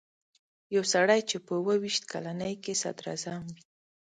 یو سړی چې په اووه ویشت کلنۍ کې صدراعظم وي.